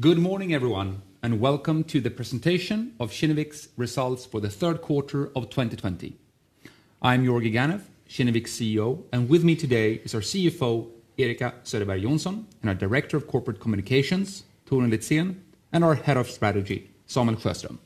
Good morning everyone, and welcome to the presentation of Kinnevik's results for the Q3 of 2020. I'm Georgi Ganev, Kinnevik CEO, and with me today is our CFO, Erika Söderberg Johnson, and our Director of Corporate Communications, Torun Litzén, and our Head of Strategy, Samuel Sjöström.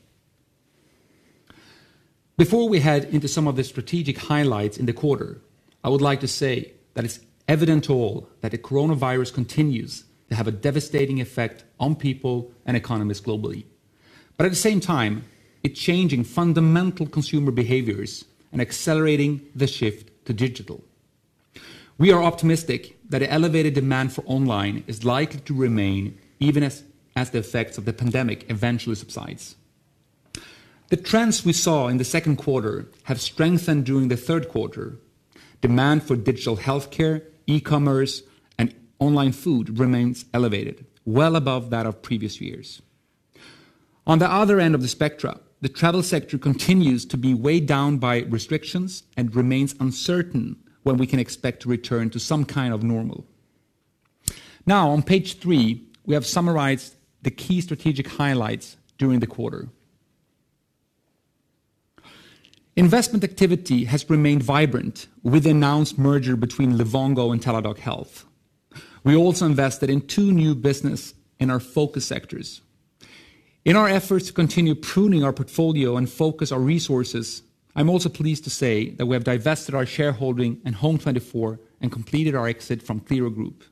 Before we head into some of the strategic highlights in the quarter, I would like to say that it's evident to all that the coronavirus continues to have a devastating effect on people and economies globally. At the same time, it's changing fundamental consumer behaviors and accelerating the shift to digital. We are optimistic that the elevated demand for online is likely to remain even as the effects of the pandemic eventually subside. The trends we saw in the Q2 have strengthened during the Q3. Demand for digital healthcare, e-commerce, and online food remains elevated, well above that of previous years. On the other end of the spectrum, the travel sector continues to be weighed down by restrictions and remains uncertain when we can expect to return to some kind of normal. Now, on page three, we have summarized the key strategic highlights during the quarter. Investment activity has remained vibrant with the announced merger between Livongo and Teladoc Health. We also invested in two new businesses in our focus sectors. In our efforts to continue pruning our portfolio and focus our resources, I'm also pleased to say that we have divested our shareholding in Home24 and completed our exit from Qliro Group.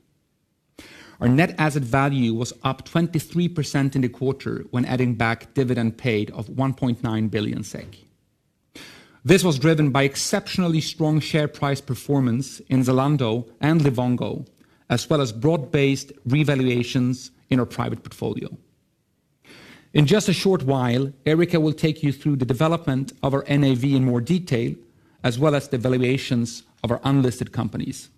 Our net asset value was up 23% in the quarter when adding back dividend paid of 1.9 billion SEK. This was driven by exceptionally strong share price performance in Zalando and Livongo, as well as broad-based revaluations in our private portfolio. In just a short while, Erika will take you through the development of our NAV in more detail, as well as the valuations of our unlisted companies.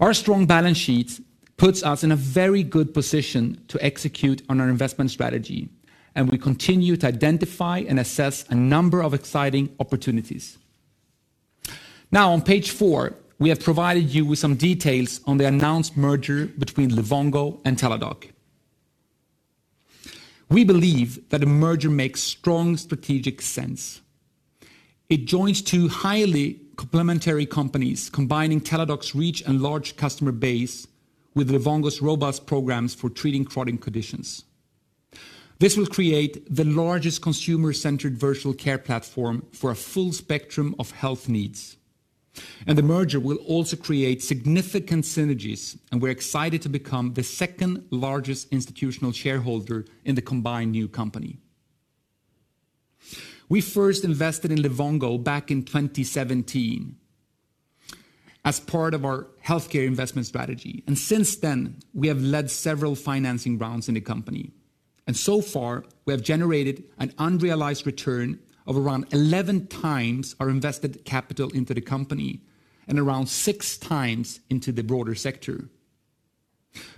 Our strong balance sheet puts us in a very good position to execute on our investment strategy, and we continue to identify and assess a number of exciting opportunities. Now on page four, we have provided you with some details on the announced merger between Livongo and Teladoc. We believe that a merger makes strong strategic sense. It joins two highly complementary companies, combining Teladoc's reach and large customer base with Livongo's robust programs for treating chronic conditions. This will create the largest consumer-centered virtual care platform for a full spectrum of health needs. The merger will also create significant synergies, and we're excited to become the second largest institutional shareholder in the combined new company. We first invested in Livongo back in 2017 as part of our healthcare investment strategy. Since then, we have led several financing rounds in the company. So far, we have generated an unrealized return of around 11x our invested capital into the company and around 6x into the broader sector.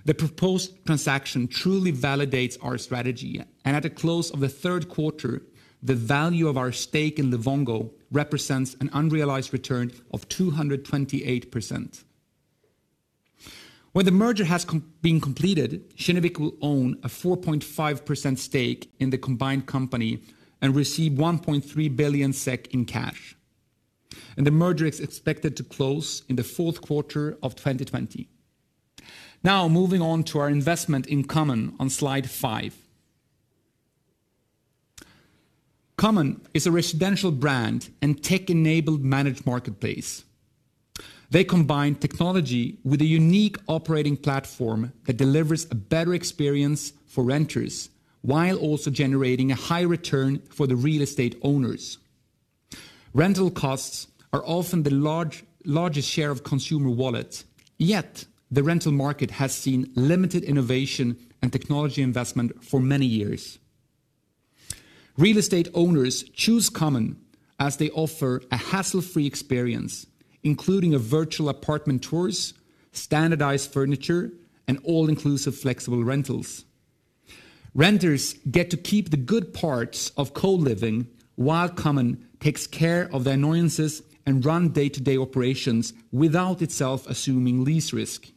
The proposed transaction truly validates our strategy, and at the close of the Q3, the value of our stake in Livongo represents an unrealized return of 228%. When the merger has been completed, Kinnevik will own a 4.5% stake in the combined company and receive 1.3 billion SEK in cash, and the merger is expected to close in the Q4 of 2020. Moving on to our investment in Common on slide five. Common is a residential brand and tech-enabled managed marketplace. They combine technology with a unique operating platform that delivers a better experience for renters while also generating a high return for the real estate owners. Rental costs are often the largest share of consumer wallet, yet the rental market has seen limited innovation and technology investment for many years. Real estate owners choose Common as they offer a hassle-free experience, including virtual apartment tours, standardized furniture, and all-inclusive flexible rentals. Renters get to keep the good parts of co-living while Common takes care of the annoyances and run day-to-day operations without itself assuming lease risk.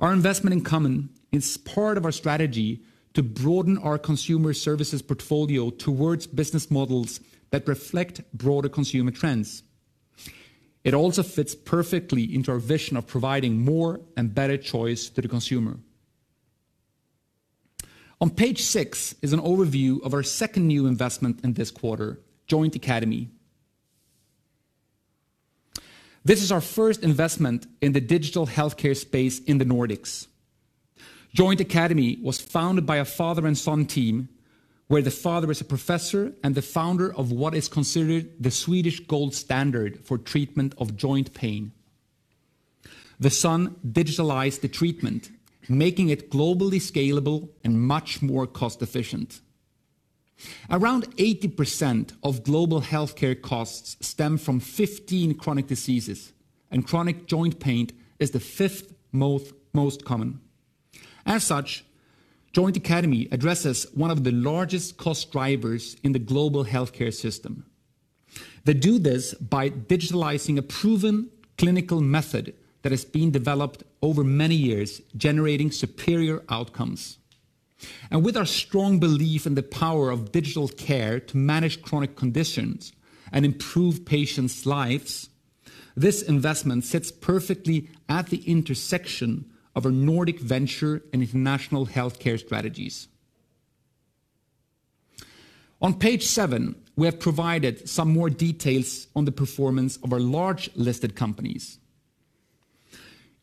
Our investment in Common is part of our strategy to broaden our consumer services portfolio towards business models that reflect broader consumer trends. It also fits perfectly into our vision of providing more and better choice to the consumer. On page six is an overview of our second new investment in this quarter, Joint Academy. This is our first investment in the digital healthcare space in the Nordics. Joint Academy was founded by a father and son team, where the father is a professor and the founder of what is considered the Swedish gold standard for treatment of joint pain. The son digitalized the treatment, making it globally scalable and much more cost efficient. Around 80% of global healthcare costs stem from 15 chronic diseases, and chronic joint pain is the fifth most common. As such, Joint Academy addresses one of the largest cost drivers in the global healthcare system. They do this by digitalizing a proven clinical method that has been developed over many years, generating superior outcomes. With our strong belief in the power of digital care to manage chronic conditions and improve patients' lives, this investment sits perfectly at the intersection of our Nordic venture and international healthcare strategies. On page seven, we have provided some more details on the performance of our large listed companies.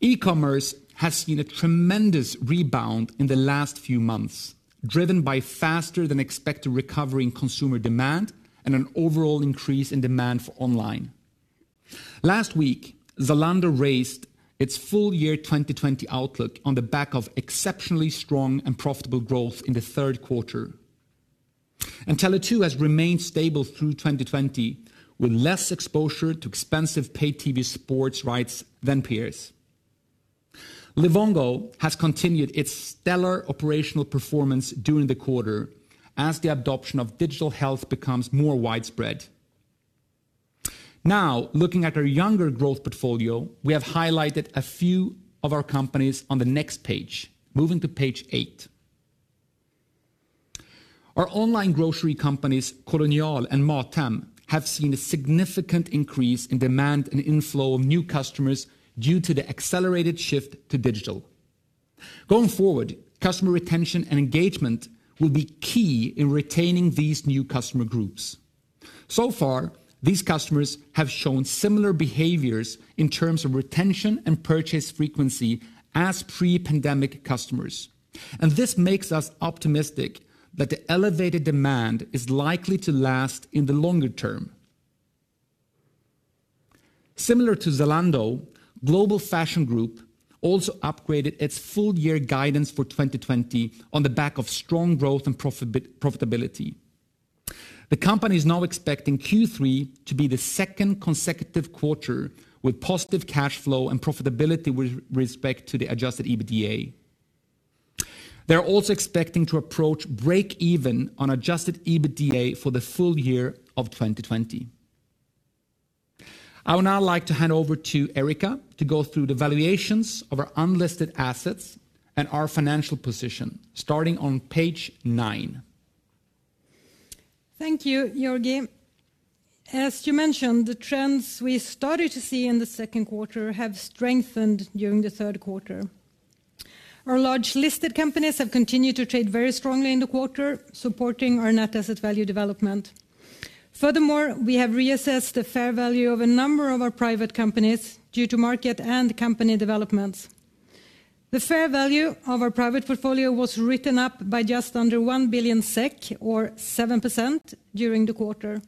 E-commerce has seen a tremendous rebound in the last few months, driven by faster than expected recovery in consumer demand and an overall increase in demand for online. Last week, Zalando raised its full year 2020 outlook on the back of exceptionally strong and profitable growth in the Q3. Tele2 has remained stable through 2020, with less exposure to expensive paid TV sports rights than peers. Livongo has continued its stellar operational performance during the quarter as the adoption of digital health becomes more widespread. Looking at our younger growth portfolio, we have highlighted a few of our companies on the next page. Moving to page eight. Our online grocery companies, Kolonial and MatHem, have seen a significant increase in demand and inflow of new customers due to the accelerated shift to digital. Going forward, customer retention and engagement will be key in retaining these new customer groups. So far, these customers have shown similar behaviors in terms of retention and purchase frequency as pre-pandemic customers. This makes us optimistic that the elevated demand is likely to last in the longer term. Similar to Zalando, Global Fashion Group also upgraded its full year guidance for 2020 on the back of strong growth and profitability. The company is now expecting Q3 to be the second consecutive quarter with positive cash flow and profitability with respect to the adjusted EBITDA. They're also expecting to approach break even on adjusted EBITDA for the full year of 2020. I would now like to hand over to Erika to go through the valuations of our unlisted assets and our financial position, starting on page nine. Thank you, Georgi. As you mentioned, the trends we started to see in the Q2 have strengthened during the Q3. Our large listed companies have continued to trade very strongly in the quarter, supporting our NAV development. Furthermore, we have reassessed the fair value of a number of our private companies due to market and company developments. The fair value of our private portfolio was written up by just under 1 billion SEK, or 7%, during the quarter.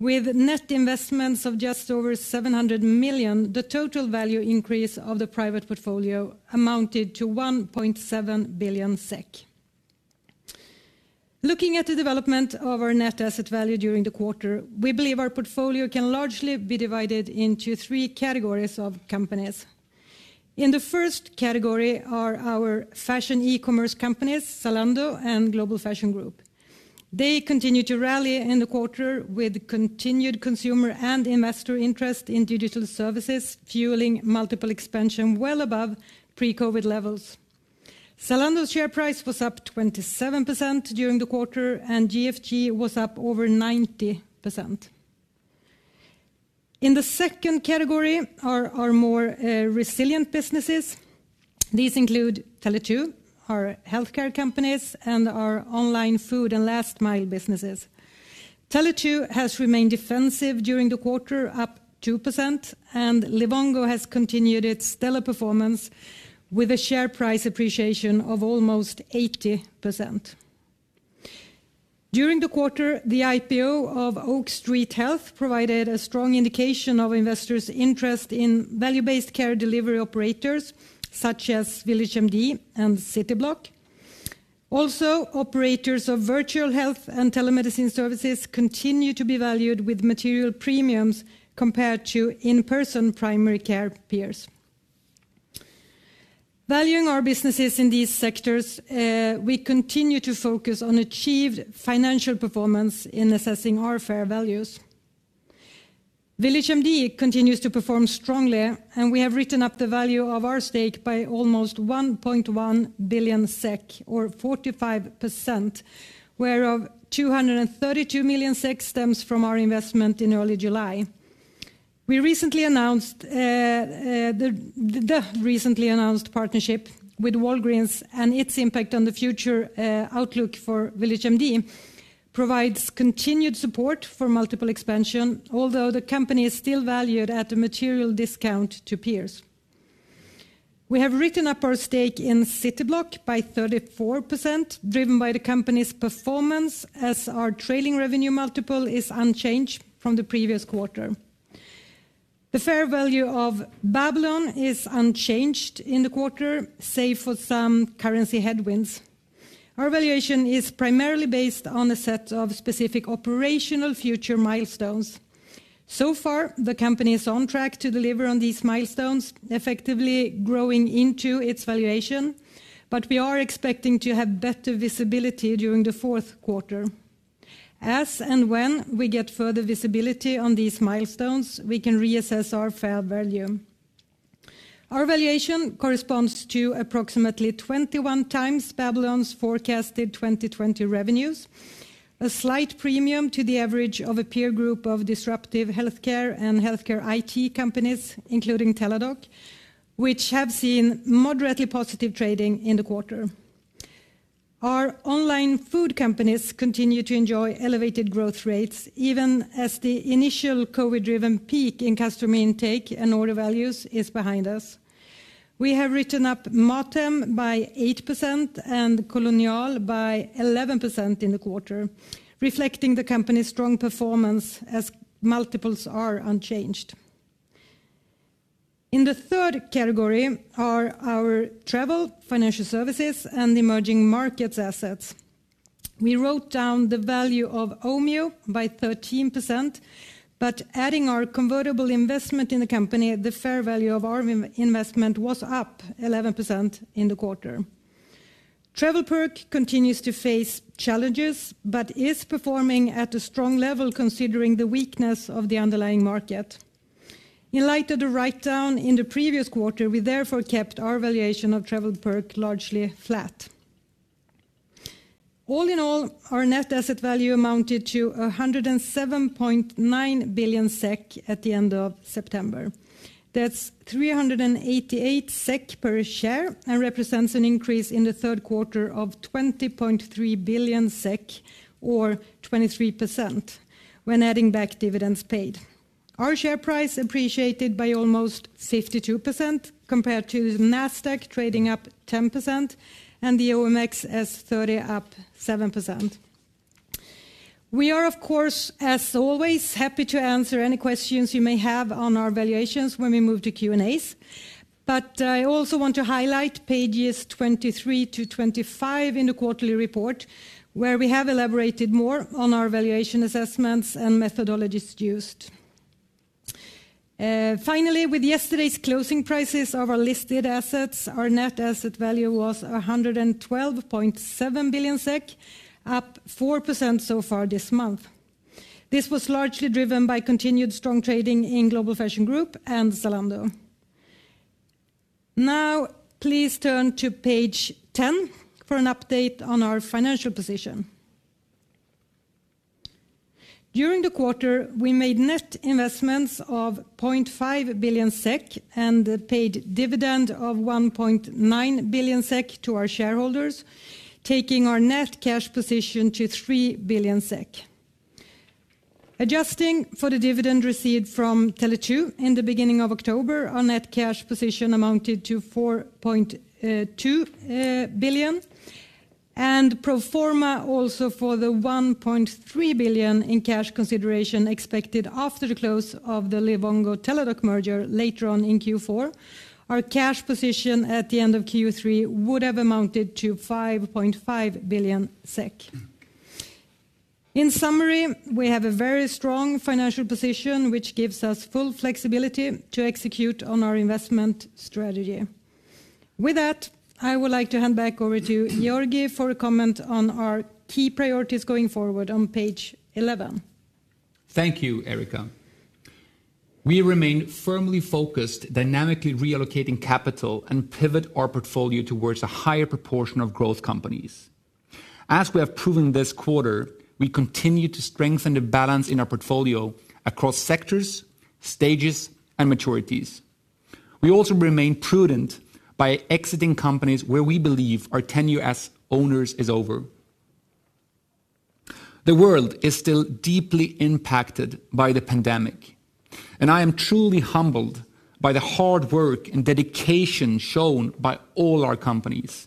With net investments of just over 700 million, the total value increase of the private portfolio amounted to 1.7 billion SEK. Looking at the development of our NAV during the quarter, we believe our portfolio can largely be divided into three categories of companies. In the first category are our fashion e-commerce companies, Zalando and Global Fashion Group. They continued to rally in the quarter with continued consumer and investor interest in digital services, fueling multiple expansion well above pre-COVID levels. Zalando's share price was up 27% during the quarter, and GFG was up over 90%. In the second category are our more resilient businesses. These include Tele2, our healthcare companies, and our online food and last mile businesses. Tele2 has remained defensive during the quarter, up 2%, and Livongo has continued its stellar performance with a share price appreciation of almost 80%. During the quarter, the IPO of Oak Street Health provided a strong indication of investors' interest in value-based care delivery operators such as VillageMD and Cityblock. Also, operators of virtual health and telemedicine services continue to be valued with material premiums compared to in-person primary care peers. Valuing our businesses in these sectors, we continue to focus on achieved financial performance in assessing our fair values. VillageMD continues to perform strongly, and we have written up the value of our stake by almost 1.1 billion SEK, or 45%, whereof 232 million SEK stems from our investment in early July. The recently announced partnership with Walgreens and its impact on the future outlook for VillageMD provides continued support for multiple expansion, although the company is still valued at a material discount to peers. We have written up our stake in Cityblock by 34%, driven by the company's performance as our trailing revenue multiple is unchanged from the previous quarter. The fair value of Babylon is unchanged in the quarter, save for some currency headwinds. Our valuation is primarily based on a set of specific operational future milestones. The company is on track to deliver on these milestones, effectively growing into its valuation, but we are expecting to have better visibility during the Q4. As and when we get further visibility on these milestones, we can reassess our fair value. Our valuation corresponds to approximately 21x Babylon's forecasted 2020 revenues, a slight premium to the average of a peer group of disruptive healthcare and healthcare IT companies, including Teladoc, which have seen moderately positive trading in the quarter. Our online food companies continue to enjoy elevated growth rates, even as the initial COVID-driven peak in customer intake and order values is behind us. We have written up MatHem by 8% and Kolonial by 11% in the quarter, reflecting the company's strong performance as multiples are unchanged. In the third category are our travel, financial services, and emerging markets assets. We wrote down the value of Omio by 13%, but adding our convertible investment in the company, the fair value of our investment was up 11% in the quarter. TravelPerk continues to face challenges, but is performing at a strong level considering the weakness of the underlying market. In light of the writedown in the previous quarter, we therefore kept our valuation of TravelPerk largely flat. All in all, our net asset value amounted to 107.9 billion SEK at the end of September. That's 388 SEK per share and represents an increase in the Q3 of 20.3 billion SEK or 23% when adding back dividends paid. Our share price appreciated by almost 52% compared to NASDAQ trading up 10% and the OMXS30 up 7%. We are, of course, as always, happy to answer any questions you may have on our valuations when we move to Q&As, but I also want to highlight pages 23-25 in the quarterly report where we have elaborated more on our valuation assessments and methodologies used. Finally, with yesterday's closing prices of our listed assets, our net asset value was 112.7 billion SEK, up 4% so far this month. This was largely driven by continued strong trading in Global Fashion Group and Zalando. Now, please turn to page 10 for an update on our financial position. During the quarter, we made net investments of 0.5 billion SEK and paid dividend of 1.9 billion SEK to our shareholders, taking our net cash position to 3 billion SEK. Adjusting for the dividend received from Tele2 in the beginning of October, our net cash position amounted to 4.2 billion and pro forma also for the 1.3 billion in cash consideration expected after the close of the Livongo Teladoc merger later on in Q4, our cash position at the end of Q3 would have amounted to 5.5 billion SEK. In summary, we have a very strong financial position, which gives us full flexibility to execute on our investment strategy. With that, I would like to hand back over to Georgi for a comment on our key priorities going forward on page 11. Thank you, Erika. We remain firmly focused, dynamically reallocating capital and pivot our portfolio towards a higher proportion of growth companies. As we have proven this quarter, we continue to strengthen the balance in our portfolio across sectors, stages, and maturities. We also remain prudent by exiting companies where we believe our tenure as owners is over. The world is still deeply impacted by the pandemic, and I am truly humbled by the hard work and dedication shown by all our companies.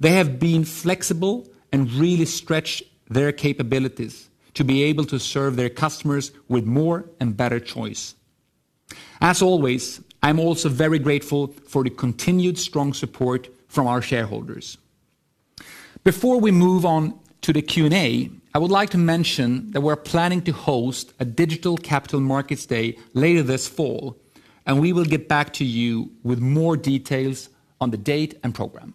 They have been flexible and really stretched their capabilities to be able to serve their customers with more and better choice. As always, I'm also very grateful for the continued strong support from our shareholders. Before we move on to the Q&A, I would like to mention that we're planning to host a digital capital markets day later this fall, and we will get back to you with more details on the date and program.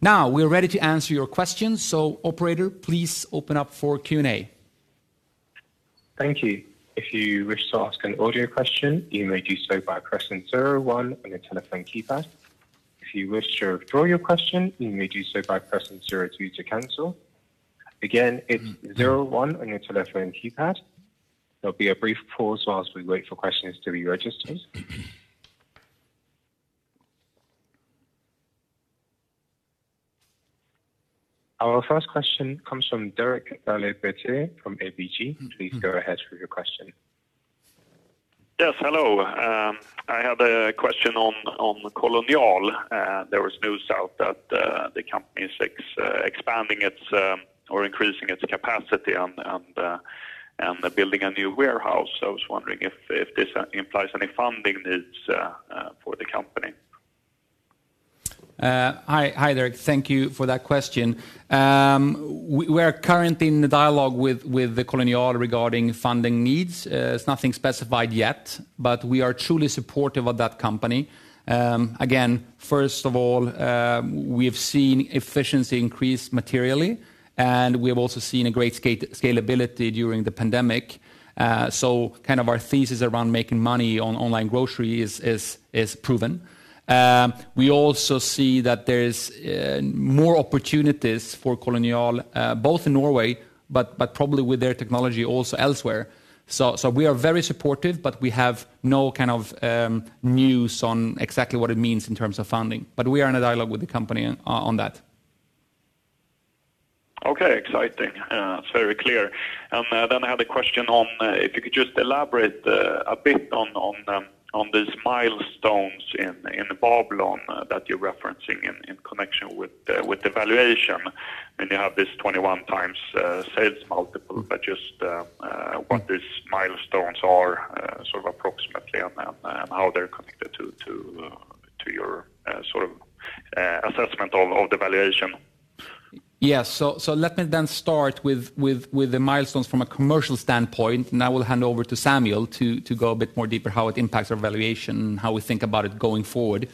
Now, we are ready to answer your questions. Operator, please open up for Q&A. Thank you. If you wish to ask an audio question, you may do so by pressing zero one on your telephone keypad. If you wish to withdraw your question, you may do so by pressing zero two to cancel. Again, it's 01 on your telephone keypad. There will be a brief pause while we wait for questions to be registered. Our first question comes from Derek Laliberté from ABG. Please go ahead with your question. Yes, hello. I have a question on Kolonial. There was news out that the company is expanding or increasing its capacity and building a new warehouse. I was wondering if this implies any funding needs for the company? Hi, Derek. Thank you for that question. We're currently in the dialogue with Kolonial regarding funding needs. It's nothing specified yet, but we are truly supportive of that company. Again, first of all, we have seen efficiency increase materially, and we have also seen a great scalability during the pandemic. Our thesis around making money on online grocery is proven. We also see that there's more opportunities for Kolonial, both in Norway but probably with their technology also elsewhere. We are very supportive, but we have no news on exactly what it means in terms of funding. We are in a dialogue with the company on that. Okay, exciting. It's very clear. I have the question on if you could just elaborate a bit on these milestones in Babylon that you're referencing in connection with the valuation? You have this 21 times sales multiple, but just what these milestones are approximately and how they're connected to your assessment of the valuation? Yes. Let me then start with the milestones from a commercial standpoint, and I will hand over to Samuel to go a bit deeper into how it impacts our valuation and how we think about it going forward.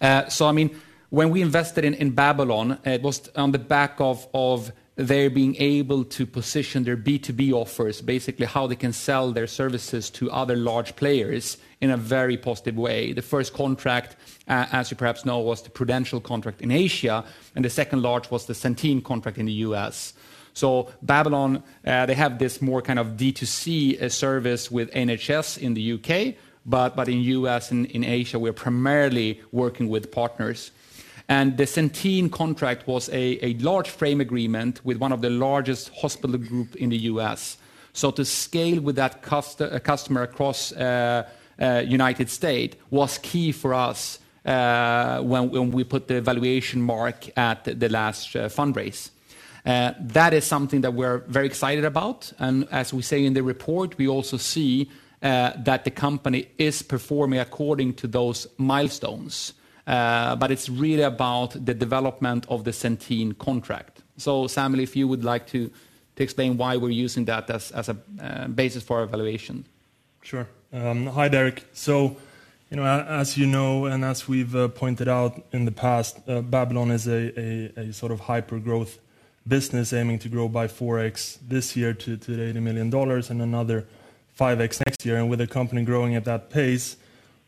When we invested in Babylon, it was on the back of their being able to position their B2B offers, basically how they can sell their services to other large players in a very positive way. The first contract, as you perhaps know, was the Prudential contract in Asia, and the second large was the Centene contract in the U.S. Babylon, they have this more kind of D2C service with NHS in the U.K., but in U.S. and in Asia, we are primarily working with partners. And the Centene contract was a large frame agreement with one of the largest hospital groups in the U.S. To scale with that customer across United States was key for us when we put the valuation mark at the last fundraise. That is something that we're very excited about. As we say in the report, we also see that the company is performing according to those milestones. It's really about the development of the Centene contract. Samuel, if you would like to explain why we're using that as a basis for our valuation. Sure. Hi, Derek. As you know and as we've pointed out in the past, Babylon is a sort of hyper-growth business aiming to grow by 4x this year to $80 million and another 5x next year. With a company growing at that pace,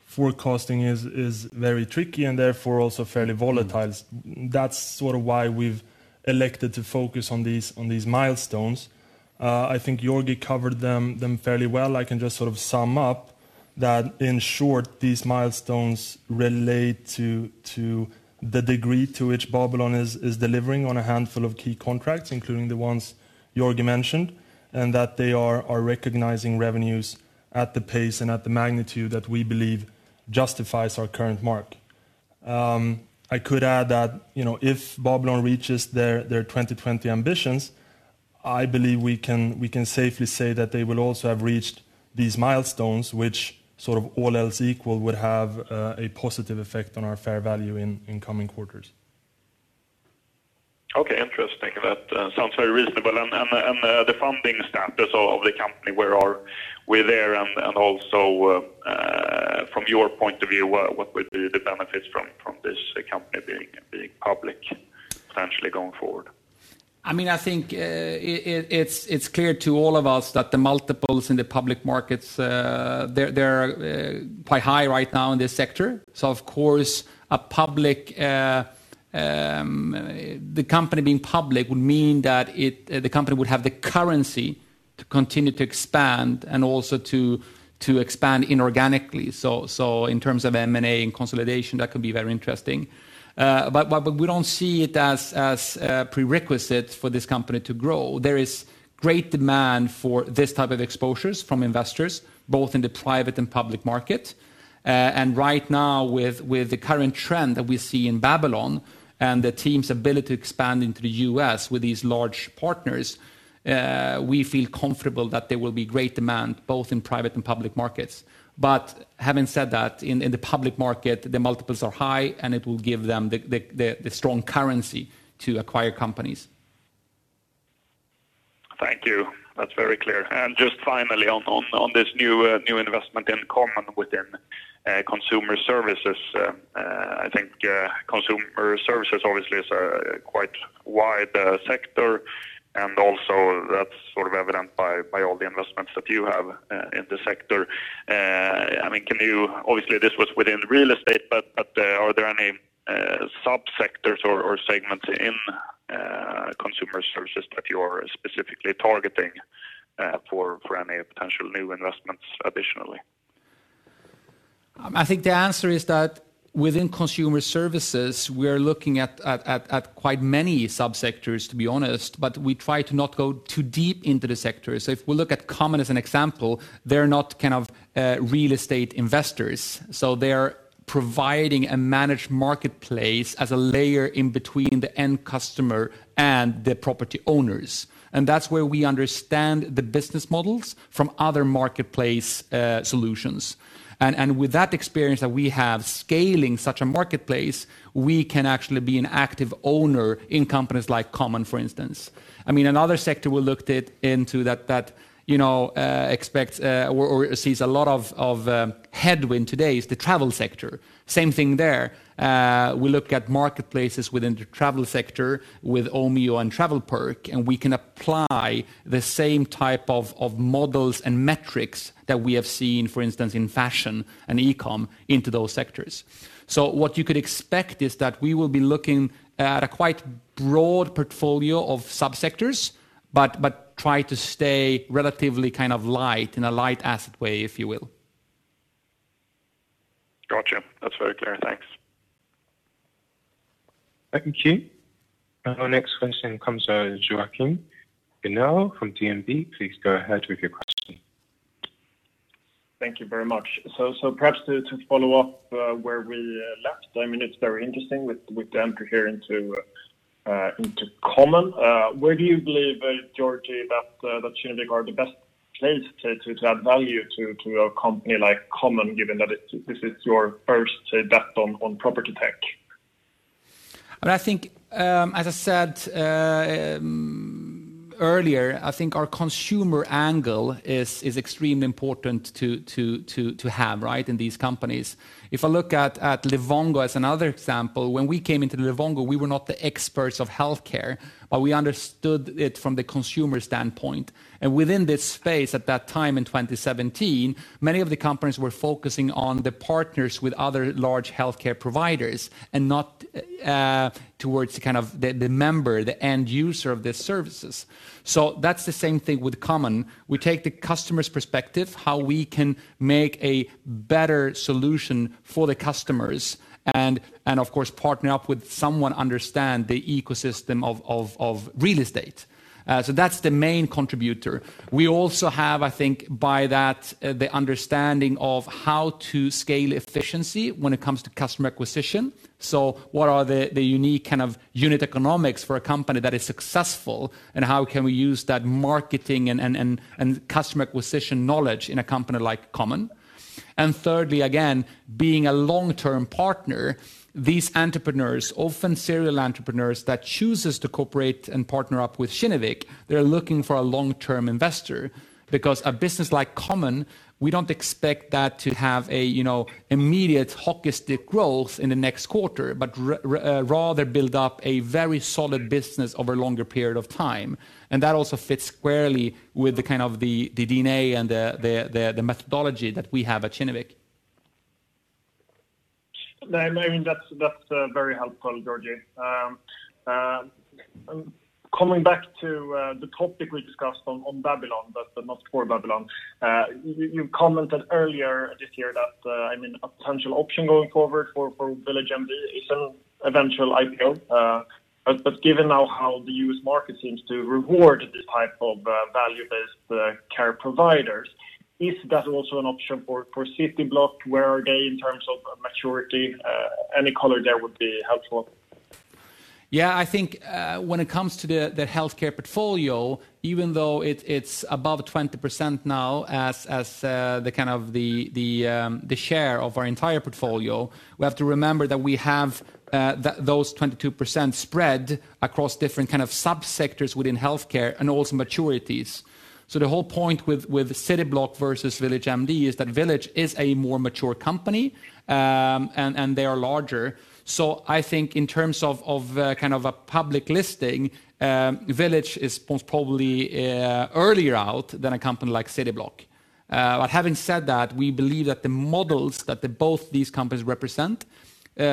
forecasting is very tricky and therefore also fairly volatile. That's why we've elected to focus on these milestones. I think Georgi covered them fairly well. I can just sum up that, in short, these milestones relate to the degree to which Babylon is delivering on a handful of key contracts, including the ones Georgi mentioned, and that they are recognizing revenues at the pace and at the magnitude that we believe justifies our current mark. I could add that if Babylon reaches their 2020 ambitions, I believe we can safely say that they will also have reached these milestones, which all else equal, would have a positive effect on our fair value in coming quarters. Okay, interesting. That sounds very reasonable. The funding status of the company, where are we there, and also from your point of view, what would be the benefits from this company being public potentially going forward? I think it's clear to all of us that the multiples in the public markets, they're quite high right now in this sector. Of course, the company being public would mean that the company would have the currency to continue to expand and also to expand inorganically. In terms of M&A and consolidation, that could be very interesting. We don't see it as a prerequisite for this company to grow. There is great demand for this type of exposures from investors, both in the private and public market. Right now, with the current trend that we see in Babylon and the team's ability to expand into the U.S. with these large partners, we feel comfortable that there will be great demand both in private and public markets. Having said that, in the public market, the multiples are high, and it will give them the strong currency to acquire companies. Thank you. That's very clear. Just finally on this new investment in Common within consumer services. I think consumer services obviously is a quite wide sector, and also that's evident by all the investments that you have in the sector. Obviously, this was within real estate, but are there any sub-sectors or segments in consumer services that you are specifically targeting for any potential new investments additionally? I think the answer is that within consumer services, we are looking at quite many sub-sectors, to be honest, but we try to not go too deep into the sectors. If we look at Common as an example, they're not real estate investors. They are providing a managed marketplace as a layer in between the end customer and the property owners. That's where we understand the business models from other marketplace solutions. With that experience that we have scaling such a marketplace, we can actually be an active owner in companies like Common, for instance. Another sector we looked into that expects or sees a lot of headwind today is the travel sector. Same thing there. We look at marketplaces within the travel sector with Omio and TravelPerk, and we can apply the same type of models and metrics that we have seen, for instance, in fashion and e-com into those sectors. What you could expect is that we will be looking at a quite broad portfolio of sub-sectors, but try to stay relatively light in a light asset way, if you will. Got you. That's very clear. Thanks. Thank you. Our next question comes from Joachim Gunell from DNB. Please go ahead with your question. Thank you very much. Perhaps to follow up where we left. It's very interesting with the entry here into Common. Where do you believe, Georgi, that Kinnevik are the best placed to add value to a company like Common, given that this is your first bet on property tech? As I said earlier, I think our consumer angle is extremely important to have in these companies. If I look at Livongo as another example, when we came into Livongo, we were not the experts of healthcare, but we understood it from the consumer standpoint. Within this space at that time in 2017, many of the companies were focusing on the partners with other large healthcare providers and not towards the member, the end user of the services. That's the same thing with Common. We take the customer's perspective, how we can make a better solution for the customers, and of course, partner up with someone understand the ecosystem of real estate. That's the main contributor. We also have, I think, by that, the understanding of how to scale efficiency when it comes to customer acquisition. What are the unique unit economics for a company that is successful, and how can we use that marketing and customer acquisition knowledge in a company like Common? Thirdly, again, being a long-term partner, these entrepreneurs, often serial entrepreneurs that chooses to cooperate and partner up with Kinnevik, they're looking for a long-term investor because a business like Common, we don't expect that to have immediate hockey stick growth in the next quarter, but rather build up a very solid business over a longer period of time. That also fits squarely with the kind of the DNA and the methodology that we have at Kinnevik. No, that's very helpful, Georgi. Coming back to the topic we discussed on Babylon, but not for Babylon. You commented earlier this year that a potential option going forward for VillageMD is an eventual IPO. Given now how the U.S. market seems to reward this type of value-based care providers, is that also an option for Cityblock? Where are they in terms of maturity? Any color there would be helpful. I think when it comes to the healthcare portfolio, even though it's above 20% now as the share of our entire portfolio, we have to remember that we have that those 22% spread across different kind of sub-sectors within healthcare and also maturities. The whole point with Cityblock versus VillageMD is that Village is a more mature company, and they are larger. I think in terms of a public listing, Village is most probably earlier out than a company like Cityblock. Having said that, we believe that the models that both these companies represent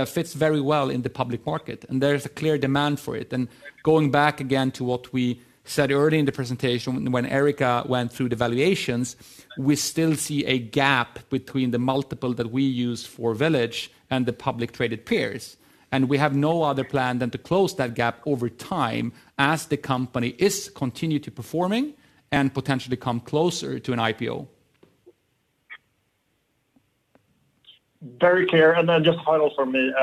fits very well in the public market, and there is a clear demand for it. Going back again to what we said earlier in the presentation when Erika went through the valuations, we still see a gap between the multiple that we use for Village and the public-traded peers. We have no other plan than to close that gap over time as the company is continue to performing and potentially come closer to an IPO. Very clear. Just final from me.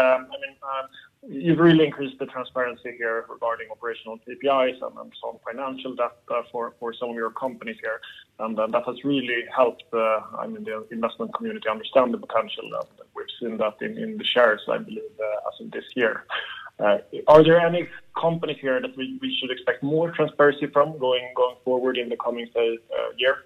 You've really increased the transparency here regarding operational KPIs and some financial data for some of your companies here, and that has really helped the investment community understand the potential that we've seen that in the shares, I believe, as of this year. Are there any companies here that we should expect more transparency from going forward in the coming year?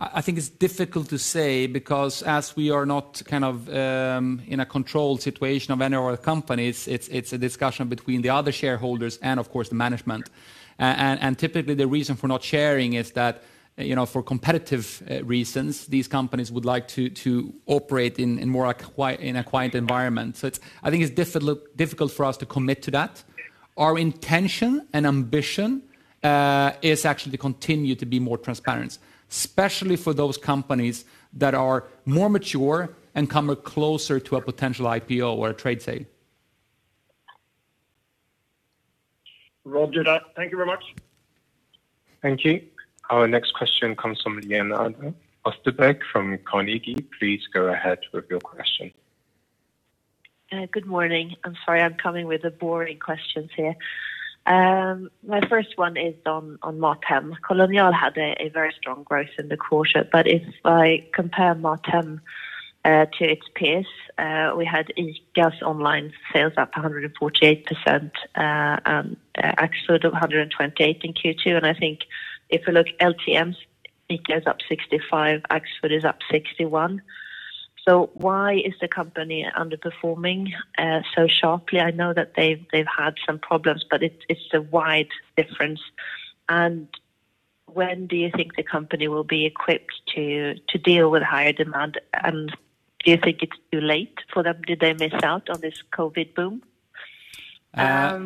I think it's difficult to say because as we are not in a controlled situation of any of our companies, it's a discussion between the other shareholders and of course, the management. Typically, the reason for not sharing is that for competitive reasons, these companies would like to operate in a quiet environment. I think it's difficult for us to commit to that. Our intention and ambition is actually to continue to be more transparent, especially for those companies that are more mature and come closer to a potential IPO or a trade sale. Roger that. Thank you very much. Thank you. Our next question comes from Lena Österberg from Carnegie. Please go ahead with your question. Good morning. I'm sorry I'm coming with the boring questions here. My first one is on MatHem. Kolonial had a very strong growth in the quarter, but if I compare MatHem to its peers, we had ICA's online sales up 148%, and Axfood up 128% in Q2, and I think if you look LTMs, ICA's up 65%, Axfood is up 61%. Why is the company underperforming so sharply? I know that they've had some problems, but it's a wide difference. When do you think the company will be equipped to deal with higher demand? Do you think it's too late for them? Did they miss out on this COVID boom? Yeah,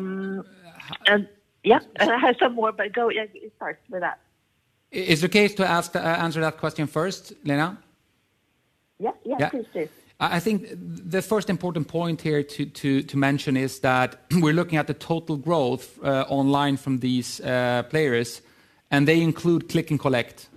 I have some more, but go start with that. Is it okay to answer that question first, Lena? Yeah. Yeah. Please do. I think the first important point here to mention is that we're looking at the total growth online from these players, and they include click and collect.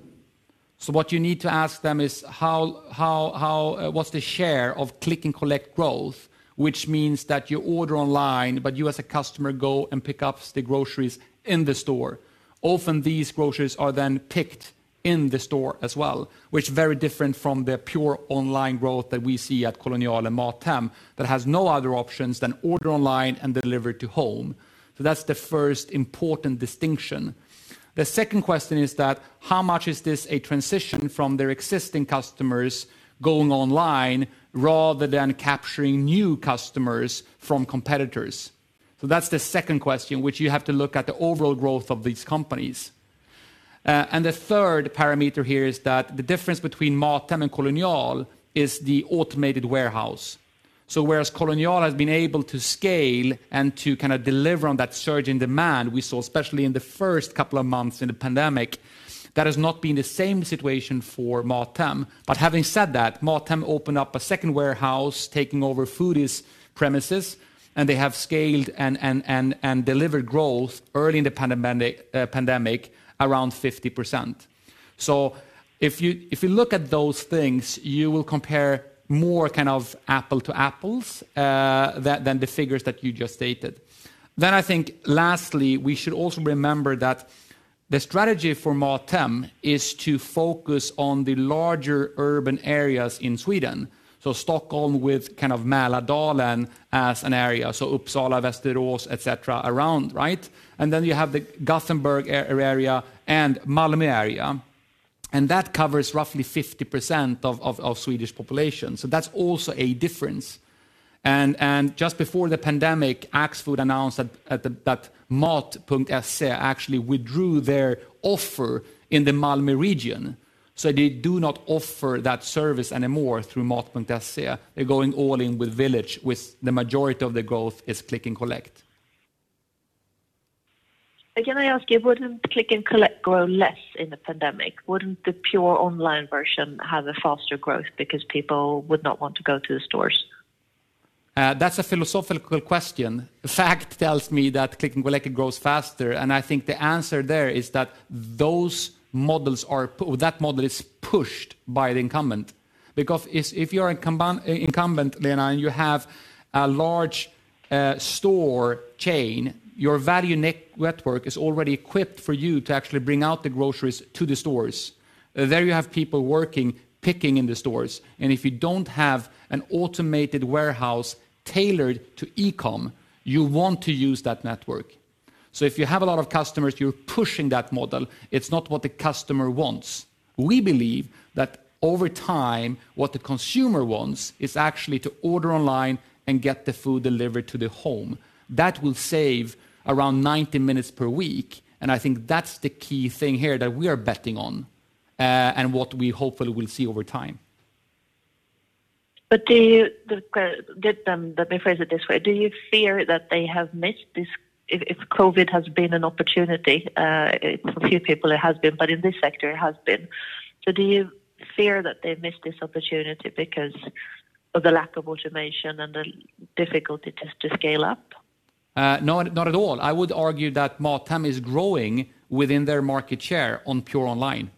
What you need to ask them is what's the share of click and collect growth, which means that you order online, but you as a customer go and pick up the groceries in the store. Often these groceries are then picked in the store as well, which is very different from the pure online growth that we see at Kolonial and MatHem, that has no other options than order online and deliver to home. That's the first important distinction. The second question is that how much is this a transition from their existing customers going online rather than capturing new customers from competitors? That's the second question, which you have to look at the overall growth of these companies. The third parameter here is that the difference between MatHem and Kolonial is the automated warehouse. Whereas Kolonial has been able to scale and to kind of deliver on that surge in demand we saw, especially in the first couple of months in the pandemic, that has not been the same situation for MatHem. Having said that, MatHem opened up a second warehouse taking over Fodie's premises, and they have scaled and delivered growth early in the pandemic, around 50%. If you look at those things, you will compare more kind of apple to apples than the figures that you just stated. I think lastly, we should also remember that the strategy for MatHem is to focus on the larger urban areas in Sweden, Stockholm with kind of Mälardalen as an area, Uppsala, Västerås, et cetera, around. You have the Gothenburg area and Malmö area, and that covers roughly 50% of Swedish population, so that's also a difference. Just before the pandemic, Axfood announced that Mat.se actually withdrew their offer in the Malmö region. They do not offer that service anymore through Mat.se. They're going all in with Village, with the majority of the growth is click and collect. Can I ask you, wouldn't click and collect grow less in the pandemic? Wouldn't the pure online version have a faster growth because people would not want to go to the stores? That's a philosophical question. Fact tells me that click and collect grows faster, and I think the answer there is that that model is pushed by the incumbent. If you're an incumbent, Lena, and you have a large store chain, your value network is already equipped for you to actually bring out the groceries to the stores. There you have people working, picking in the stores, and if you don't have an automated warehouse tailored to e-com, you want to use that network. If you have a lot of customers, you're pushing that model. It's not what the customer wants. We believe that over time, what the consumer wants is actually to order online and get the food delivered to the home. That will save around 90 minutes per week, and I think that's the key thing here that we are betting on, and what we hopefully will see over time. Let me phrase it this way. Do you fear that they have missed this if COVID has been an opportunity? For a few people it has been, but in this sector it has been. Do you fear that they've missed this opportunity because of the lack of automation and the difficulty to scale up? No, not at all. I would argue that MatHem is growing within their market share on pure online.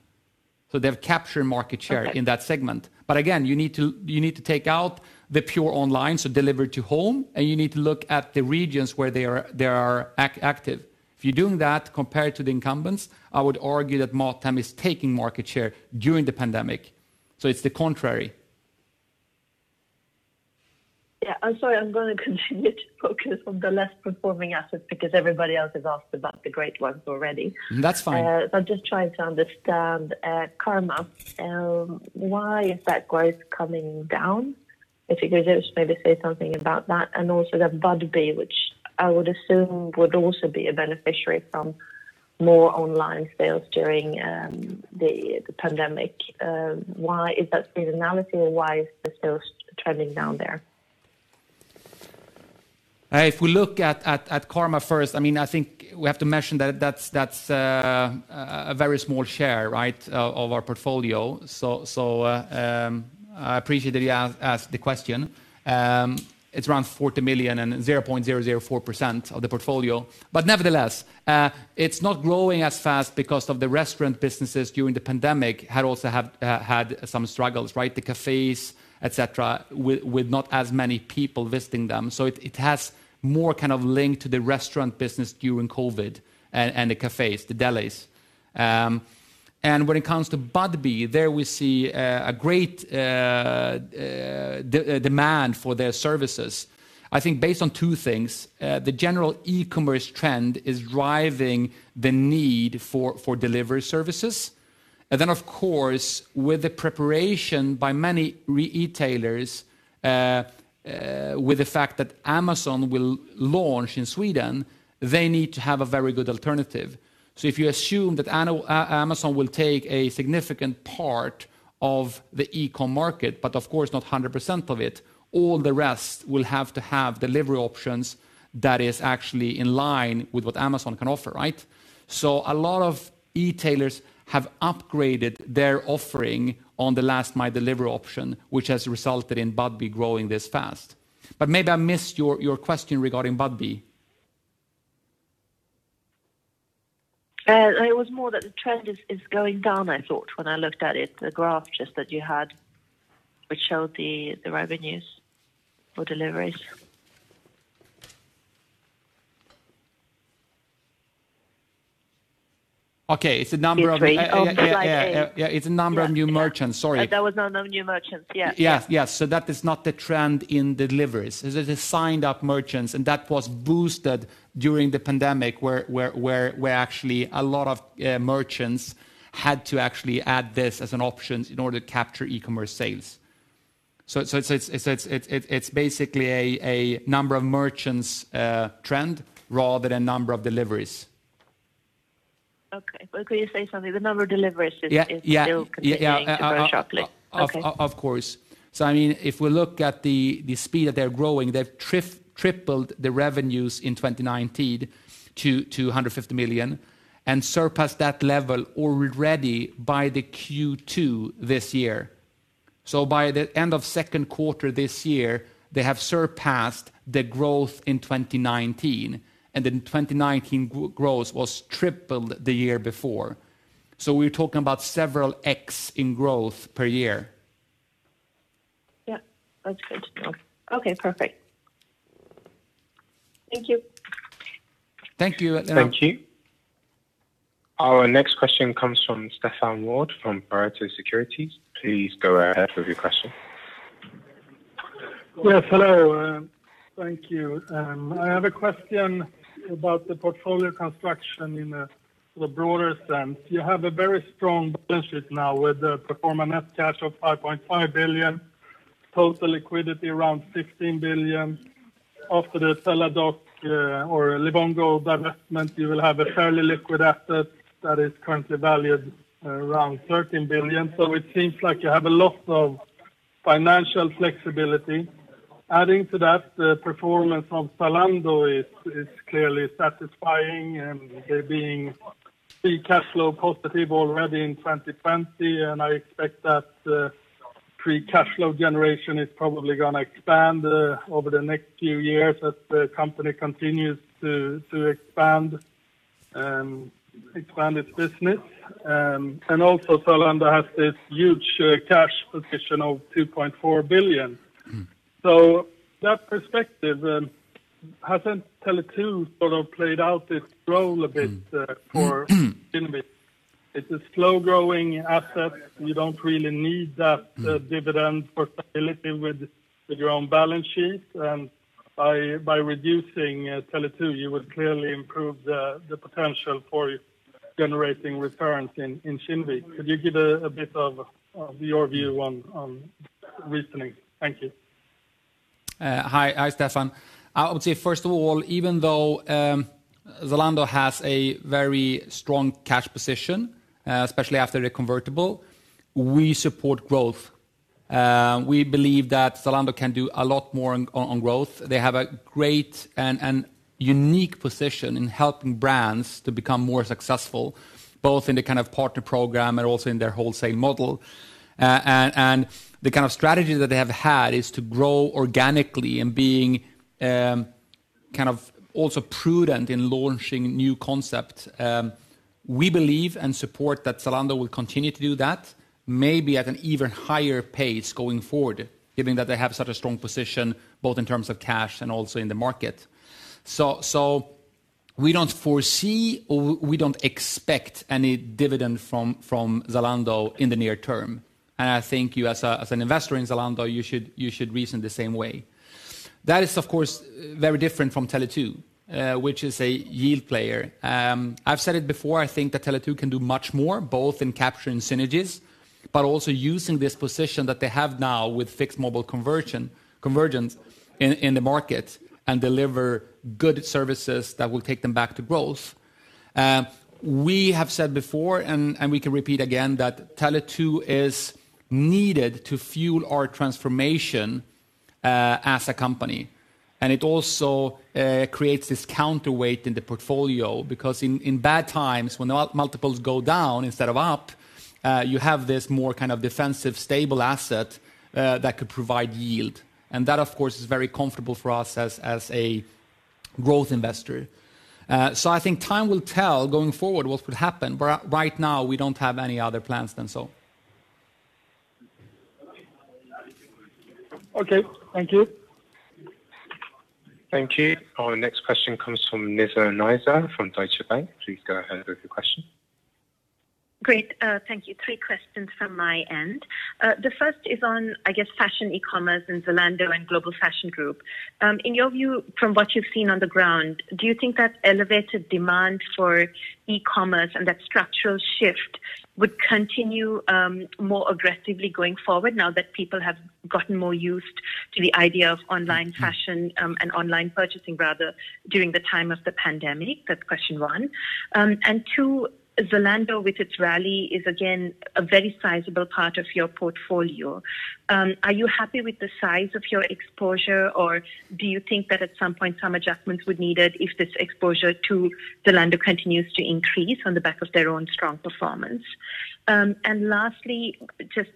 They've captured market share. Okay in that segment. Again, you need to take out the pure online, so deliver to home, and you need to look at the regions where they are active. If you're doing that compared to the incumbents, I would argue that MatHem is taking market share during the pandemic. It's the contrary. Yeah. I'm sorry, I'm going to continue to focus on the less performing assets because everybody else has asked about the great ones already. That's fine. I'm just trying to understand Karma. Why is that growth coming down? If you could just maybe say something about that, and also the Budbee, which I would assume would also be a beneficiary from more online sales during the pandemic. Why is that seasonality or why is the sales trending down there? If we look at Karma first, I think we have to mention that that's a very small share of our portfolio. I appreciate that you asked the question. It's around 40 million and 0.004% of the portfolio. Nevertheless, it's not growing as fast because of the restaurant businesses during the pandemic had also had some struggles, the cafes, et cetera, with not as many people visiting them. It has more kind of link to the restaurant business during COVID and the cafes, the delis. When it comes to Budbee, there we see a great demand for their services. I think based on two things, the general e-commerce trend is driving the need for delivery services. Then, of course, with the preparation by many retailers with the fact that Amazon will launch in Sweden, they need to have a very good alternative. If you assume that Amazon will take a significant part of the e-com market, but of course not 100% of it, all the rest will have to have delivery options that is actually in line with what Amazon can offer. A lot of e-tailers have upgraded their offering on the last mile delivery option, which has resulted in Budbee growing this fast. Maybe I missed your question regarding Budbee. It was more that the trend is going down, I thought when I looked at it, the graph just that you had, which showed the revenues for deliveries. Okay. Yeah. It's a number of new merchants, sorry. That was now new merchants. Yes. Yes. That is not the trend in deliveries. It is signed-up merchants, and that was boosted during the pandemic, where actually a lot of merchants had to actually add this as an option in order to capture e-commerce sales. It's basically a number of merchants trend rather than number of deliveries. Okay, could you say something? The number of deliveries is. Yeah still continuing to grow sharply. Of course. If we look at the speed that they're growing, they've tripled the revenues in 2019 to 150 million, and surpassed that level already by the Q2 this year. By the end of Q2 this year, they have surpassed the growth in 2019, and the 2019 growth was tripled the year before. We're talking about several x in growth per year. Yeah. That's good to know. Okay, perfect. Thank you. Thank you. Thank you. Our next question comes from Stefan Wård from Pareto Securities. Please go ahead with your question. Yes, hello. Thank you. I have a question about the portfolio construction in the broader sense. You have a very strong balance sheet now with the pro forma net cash of 5.5 billion, total liquidity around 16 billion. After the Teladoc or Livongo divestment, you will have a fairly liquid asset that is currently valued around 13 billion. It seems like you have a lot of financial flexibility. Adding to that, the performance of Zalando is clearly satisfying, and they're being free cash flow positive already in 2020. I expect that free cash flow generation is probably going to expand over the next few years as the company continues to expand its business. Also Zalando has this huge cash position of 2.4 billion. That perspective, hasn't Tele2 sort of played out its role a bit? for Kinnevik? It's a slow-growing asset. You don't really need that. dividend for stability with your own balance sheet. By reducing Tele2, you would clearly improve the potential for generating returns in Kinnevik. Could you give a bit of your view on reasoning? Thank you. Hi, Stefan. I would say, first of all, even though Zalando has a very strong cash position, especially after the convertible, we support growth. We believe that Zalando can do a lot more on growth. They have a great and unique position in helping brands to become more successful, both in the kind of partner program and also in their wholesale model. The kind of strategy that they have had is to grow organically and being kind of also prudent in launching new concepts. We believe and support that Zalando will continue to do that, maybe at an even higher pace going forward, given that they have such a strong position, both in terms of cash and also in the market. We don't foresee or we don't expect any dividend from Zalando in the near term. I think you as an investor in Zalando, you should reason the same way. That is, of course, very different from Tele2, which is a yield player. I've said it before, I think that Tele2 can do much more, both in capturing synergies, but also using this position that they have now with fixed mobile convergence in the market and deliver good services that will take them back to growth. We have said before, and we can repeat again, that Tele2 is needed to fuel our transformation as a company. It also creates this counterweight in the portfolio because in bad times, when multiples go down instead of up, you have this more kind of defensive, stable asset that could provide yield. That, of course, is very comfortable for us as a growth investor. I think time will tell going forward what would happen. Right now, we don't have any other plans than so. Okay. Thank you. Thank you. Our next question comes from Nizla Naizer from Deutsche Bank. Please go ahead with your question. Great. Thank you. Three questions from my end. The first is on, I guess, fashion e-commerce and Zalando and Global Fashion Group. In your view, from what you've seen on the ground, do you think that elevated demand for e-commerce and that structural shift would continue more aggressively going forward now that people have gotten more used to the idea of online fashion and online purchasing, rather, during the time of the pandemic? That's question one. Two, Zalando with its rally is again a very sizable part of your portfolio. Are you happy with the size of your exposure, or do you think that at some point some adjustments would be needed if this exposure to Zalando continues to increase on the back of their own strong performance? Lastly, just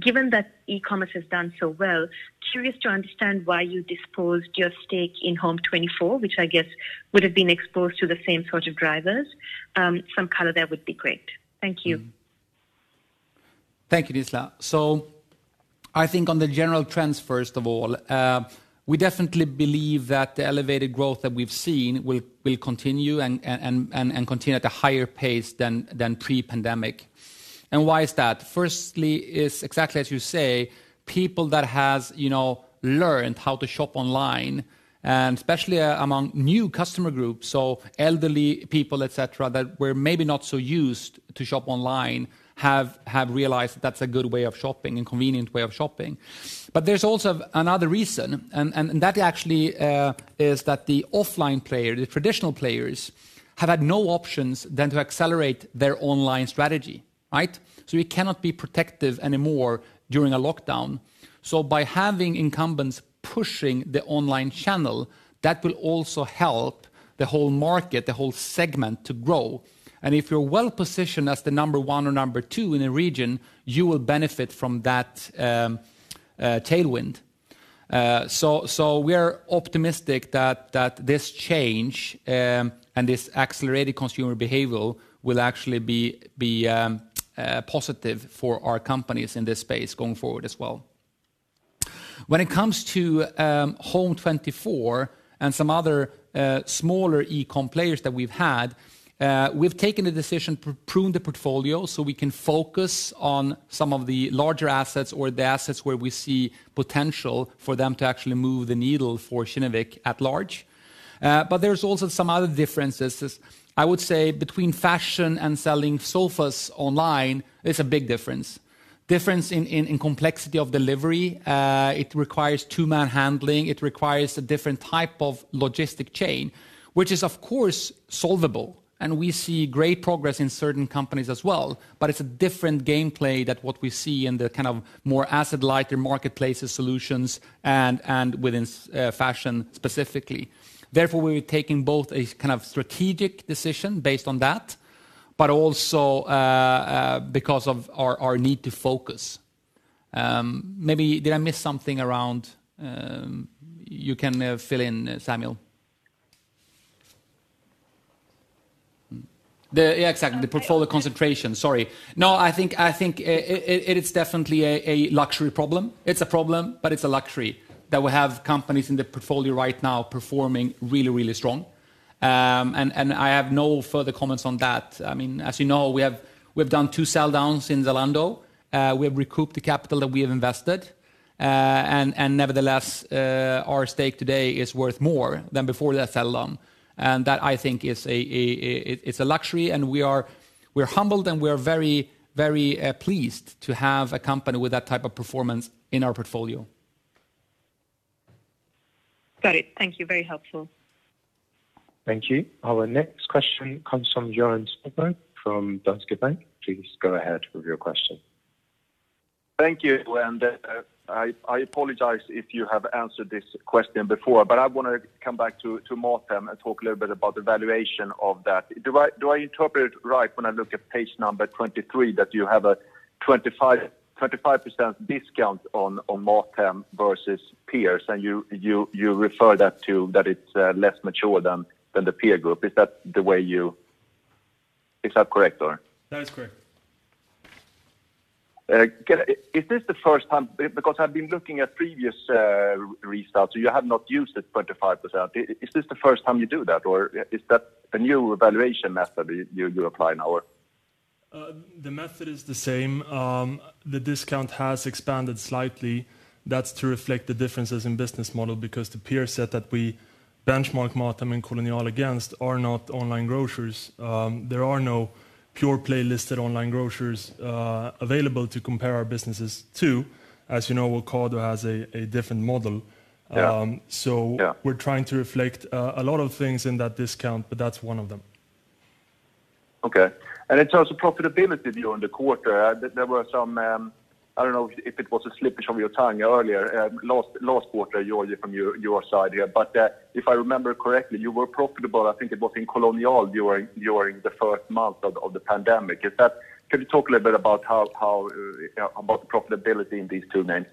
given that e-commerce has done so well, curious to understand why you disposed your stake in Home24, which I guess would have been exposed to the same sort of drivers. Some color there would be great. Thank you. Thank you, Nizla. I think on the general trends, first of all, we definitely believe that the elevated growth that we've seen will continue and continue at a higher pace than pre-pandemic. Why is that? Firstly, is exactly as you say, people that have learned how to shop online, and especially among new customer groups, so elderly people, et cetera, that were maybe not so used to shop online, have realized that's a good way of shopping and convenient way of shopping. There's also another reason, and that actually is that the offline player, the traditional players, have had no options than to accelerate their online strategy. Right. We cannot be protective anymore during a lockdown. By having incumbents pushing the online channel, that will also help the whole market, the whole segment to grow. If you're well-positioned as the number one or number two in a region, you will benefit from that tailwind. We are optimistic that this change and this accelerated consumer behavior will actually be positive for our companies in this space going forward as well. When it comes to Home24 and some other smaller e-com players that we've had, we've taken a decision to prune the portfolio so we can focus on some of the larger assets or the assets where we see potential for them to actually move the needle for Kinnevik at large. There's also some other differences. I would say between fashion and selling sofas online, it's a big difference. Difference in complexity of delivery. It requires two-man handling. It requires a different type of logistic chain, which is of course solvable, and we see great progress in certain companies as well. It's a different gameplay than what we see in the kind of more asset lighter marketplaces solutions and within fashion specifically. We're taking both a kind of strategic decision based on that, but also because of our need to focus. Maybe did I miss something around You can fill in, Samuel. Yeah, exactly. The portfolio concentration. Sorry. No, I think it's definitely a luxury problem. It's a problem, but it's a luxury that we have companies in the portfolio right now performing really, really strong. I have no further comments on that. As you know, we've done two sell downs in Zalando. We have recouped the capital that we have invested, and nevertheless, our stake today is worth more than before that sell down. That, I think, is a luxury, and we're humbled, and we're very, very pleased to have a company with that type of performance in our portfolio. Got it. Thank you. Very helpful. Thank you. Our next question comes from Johan Sundberg from Danske Bank. Please go ahead with your question. Thank you. I apologize if you have answered this question before, but I want to come back to MatHem and talk a little bit about the valuation of that. Do I interpret it right when I look at page number 23 that you have a 25% discount on MatHem versus peers? You refer that to that it's less mature than the peer group. Is that correct or? That is correct. Is this the first time? I've been looking at previous results. You have not used that 25%. Is this the first time you do that, or is that a new valuation method you apply now? The method is the same. The discount has expanded slightly. That's to reflect the differences in business model because the peer set that we benchmark Mathem and Kolonial against are not online grocers. There are no pure play listed online grocers available to compare our businesses to. As you know, Ocado has a different model. Yeah. We're trying to reflect a lot of things in that discount, but that's one of them. Okay. In terms of profitability during the quarter, there were some, I don't know if it was a slippage of your tongue earlier, last quarter from your side here. If I remember correctly, you were profitable, I think it was in Kolonial during the first month of the pandemic. Can you talk a little bit about the profitability in these two names?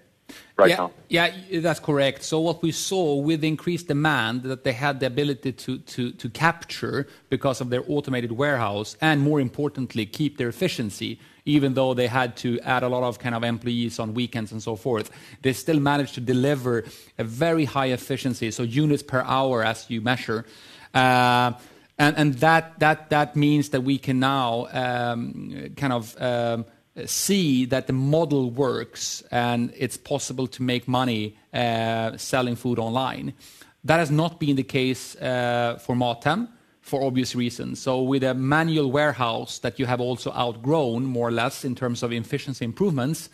Yeah, that's correct. What we saw with increased demand that they had the ability to capture because of their automated warehouse, and more importantly, keep their efficiency, even though they had to add a lot of employees on weekends and so forth. They still managed to deliver a very high efficiency, so units per hour as you measure. That means that we can now see that the model works and it's possible to make money selling food online. That has not been the case for MatHem, for obvious reasons. With a manual warehouse that you have also outgrown more or less in terms of efficiency improvements,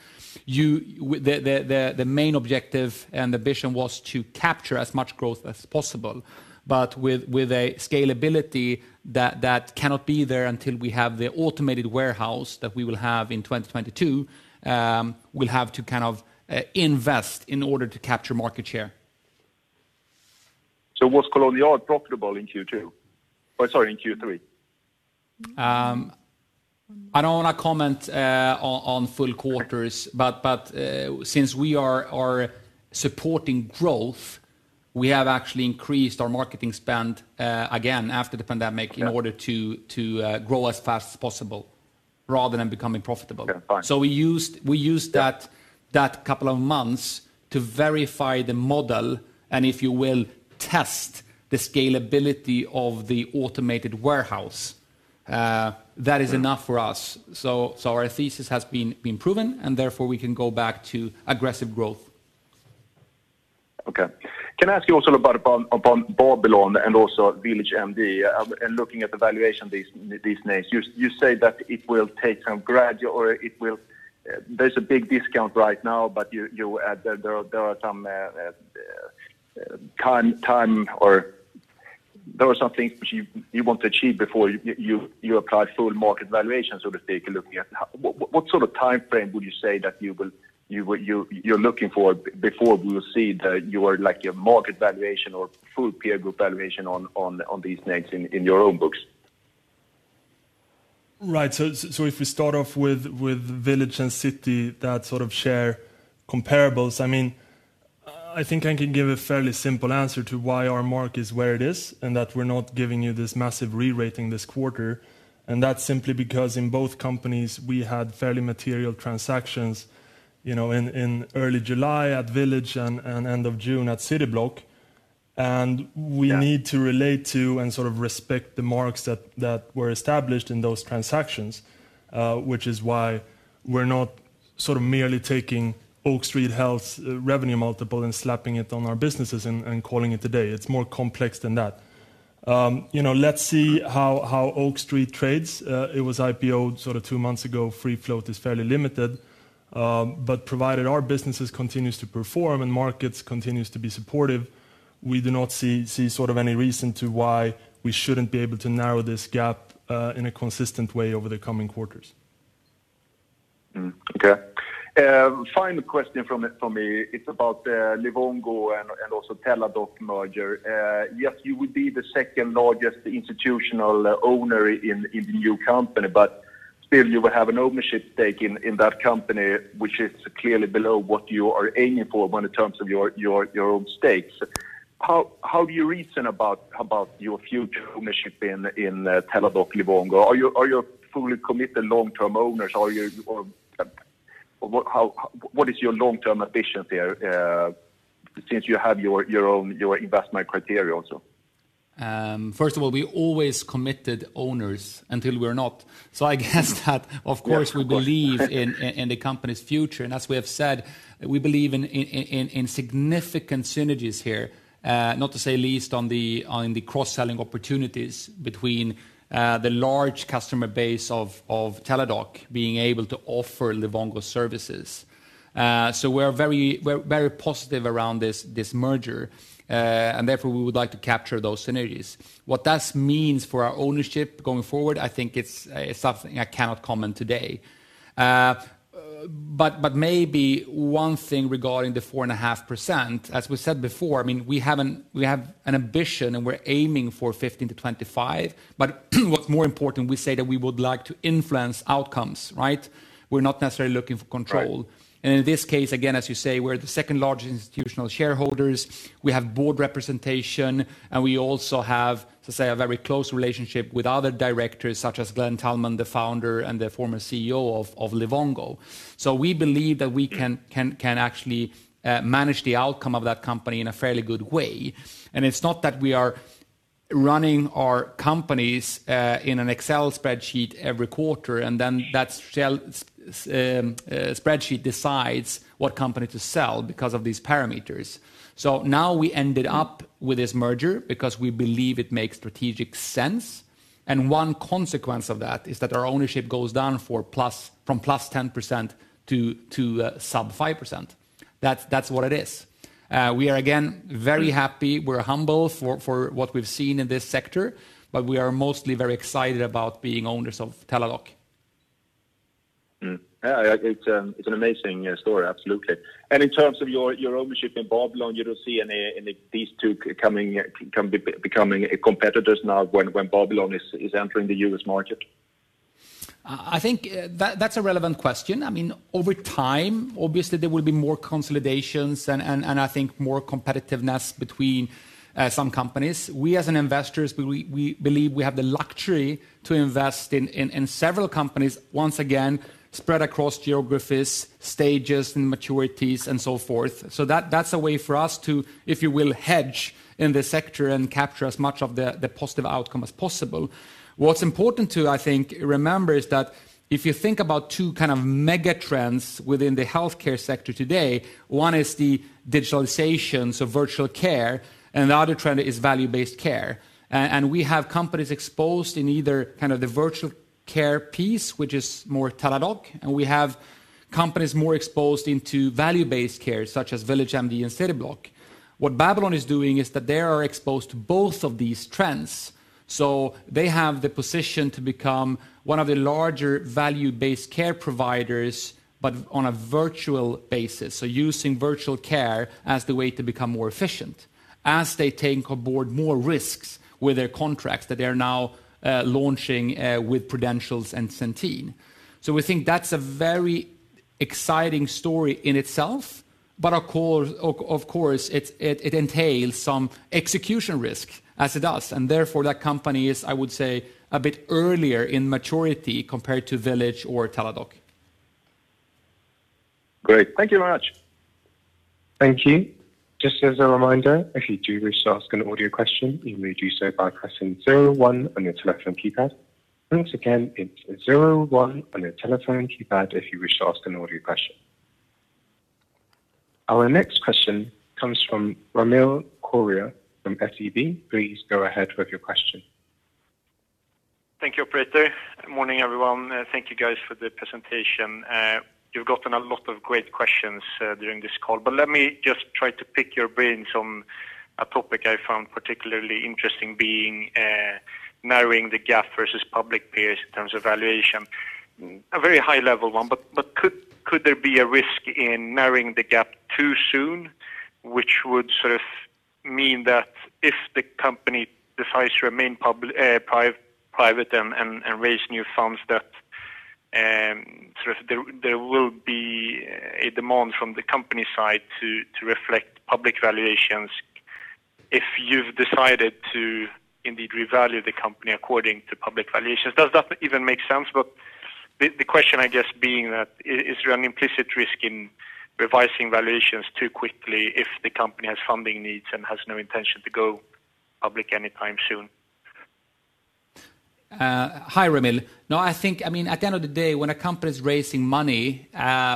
the main objective and the vision was to capture as much growth as possible. With a scalability that cannot be there until we have the automated warehouse that we will have in 2022, we'll have to invest in order to capture market share. Was Kolonial profitable in Q2? Oh, sorry, in Q3. I don't want to comment on full quarters, but since we are supporting growth, we have actually increased our marketing spend again after the pandemic in order to grow as fast as possible rather than becoming profitable. Okay, fine. We used that couple of months to verify the model and if you will test the scalability of the automated warehouse. That is enough for us. Our thesis has been proven, and therefore we can go back to aggressive growth. Okay. Can I ask you also about Babylon and also VillageMD, and looking at the valuation these names, you say that it will take some gradual or there's a big discount right now, but there are some time or there are some things which you want to achieve before you apply full market valuation, so to speak. Looking at what sort of timeframe would you say that you're looking for before we will see your market valuation or full peer group valuation on these names in your own books? Right. If we start off with Village and City, that sort of share comparables. I think I can give a fairly simple answer to why our mark is where it is, and that we're not giving you this massive re-rating this quarter, and that's simply because in both companies, we had fairly material transactions in early July at Village and end of June at Cityblock. We need to relate to and sort of respect the marks that were established in those transactions, which is why we're not merely taking Oak Street Health's revenue multiple and slapping it on our businesses and calling it a day. It's more complex than that. Let's see how Oak Street trades. It was IPO two months ago. Free float is fairly limited. Provided our businesses continue to perform and markets continue to be supportive, we do not see any reason to why we shouldn't be able to narrow this gap in a consistent way over the coming quarters. Okay. Final question from me, it's about Livongo and also Teladoc merger. Yes, you would be the second-largest institutional owner in the new company, but still you will have an ownership stake in that company, which is clearly below what you are aiming for when in terms of your own stakes. How do you reason about your future ownership in Teladoc Livongo? Are you fully committed long-term owners? What is your long-term ambition there, since you have your investment criteria also? First of all, we always committed owners until we're not. I guess that, of course, we believe in the company's future, and as we have said, we believe in significant synergies here, not to say least on the cross-selling opportunities between the large customer base of Teladoc being able to offer Livongo services. We're very positive around this merger, and therefore we would like to capture those synergies. What that means for our ownership going forward, I think it's something I cannot comment today. Maybe one thing regarding the 4.5%, as we said before, we have an ambition and we're aiming for 15%-25%, but what's more important, we say that we would like to influence outcomes, right? We're not necessarily looking for control. Right. In this case, again, as you say, we're the second-largest institutional shareholders, we have board representation, and we also have, to say, a very close relationship with other directors such as Glenn Tullman, the founder, and the former CEO of Livongo. We believe that we can actually manage the outcome of that company in a fairly good way. It's not that we are running our companies in an Excel spreadsheet every quarter, that spreadsheet decides what company to sell because of these parameters. Now we ended up with this merger because we believe it makes strategic sense, and one consequence of that is that our ownership goes down from plus 10% to sub 5%. That's what it is. We are again, very happy. We're humble for what we've seen in this sector, we are mostly very excited about being owners of Teladoc. Yeah. It's an amazing story, absolutely. In terms of your ownership in Babylon, you don't see these two becoming competitors now when Babylon is entering the U.S. market? I think that's a relevant question. Over time, obviously there will be more consolidations and I think more competitiveness between some companies. We, as investors, believe we have the luxury to invest in several companies, once again, spread across geographies, stages, and maturities and so forth. That's a way for us to, if you will, hedge in the sector and capture as much of the positive outcome as possible. What's important to, I think, remember is that if you think about two mega trends within the healthcare sector today, one is the digitalization, so virtual care, and the other trend is value-based care. We have companies exposed in either the virtual care piece, which is more Teladoc, and we have companies more exposed into value-based care, such as VillageMD and Cityblock. What Babylon is doing is that they are exposed to both of these trends, they have the position to become one of the larger value-based care providers, but on a virtual basis. Using virtual care as the way to become more efficient as they take aboard more risks with their contracts that they are now launching with Prudential and Centene. We think that's a very exciting story in itself, but of course, it entails some execution risk as it does, and therefore that company is, I would say, a bit earlier in maturity compared to Village or Teladoc. Great. Thank you very much. Thank you. Just as a reminder, if you do wish to ask an audio question, you may do so by pressing zero one on your telephone keypad. Once again, it's zero one on your telephone keypad if you wish to ask an audio question. Our next question comes from Ramil Koria from SEB. Please go ahead with your question. Thank you, operator. Morning, everyone. Thank you guys for the presentation. You've gotten a lot of great questions during this call. Let me just try to pick your brains on a topic I found particularly interesting being narrowing the gap versus public peers in terms of valuation. A very high level one. Could there be a risk in narrowing the gap too soon, which would sort of mean that if the company decides to remain private and raise new funds that there will be a demand from the company side to reflect public valuations if you've decided to indeed revalue the company according to public valuations? Does that even make sense? The question, I guess, being that is there an implicit risk in revising valuations too quickly if the company has funding needs and has no intention to go public anytime soon? Hi, Ramil. I think at the end of the day, when a company is raising money,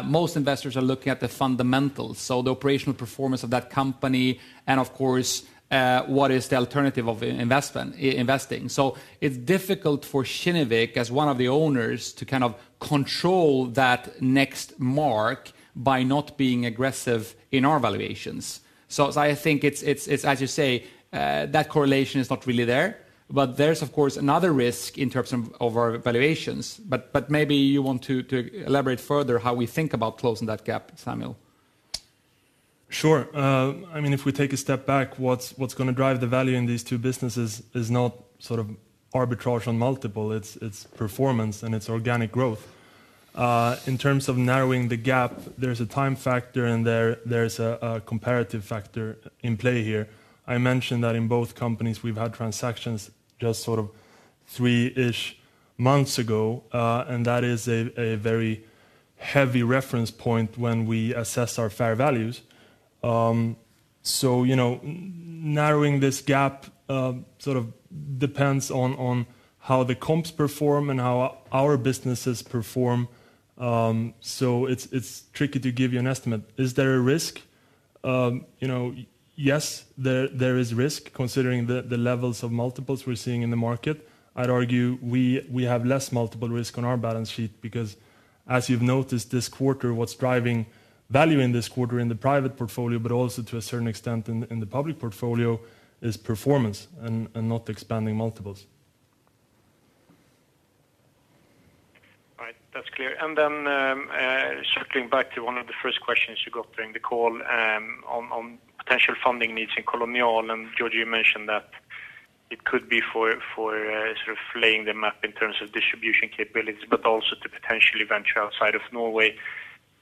most investors are looking at the fundamentals. The operational performance of that company and of course, what is the alternative of investing. It is difficult for Kinnevik as one of the owners to kind of control that next mark by not being aggressive in our valuations. I think it is as you say, that correlation is not really there, but there is of course another risk in terms of our valuations. Maybe you want to elaborate further how we think about closing that gap, Samuel. Sure. If we take a step back, what's going to drive the value in these two businesses is not sort of arbitrage on multiple, it's performance and it's organic growth. In terms of narrowing the gap, there's a time factor and there's a comparative factor in play here. I mentioned that in both companies we've had transactions just sort of three-ish months ago, and that is a very heavy reference point when we assess our fair values. Narrowing this gap depends on how the comps perform and how our businesses perform. It's tricky to give you an estimate. Is there a risk? Yes, there is risk considering the levels of multiples we're seeing in the market. I'd argue we have less multiple risk on our balance sheet because as you've noticed this quarter, what's driving value in this quarter in the private portfolio, but also to a certain extent in the public portfolio, is performance and not expanding multiples. All right. That's clear. Circling back to one of the first questions you got during the call on potential funding needs in Kolonial, and Georgi, you mentioned that it could be for sort of laying the map in terms of distribution capabilities, but also to potentially venture outside of Norway.